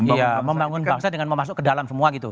iya membangun bangsa dengan memasuk ke dalam semua gitu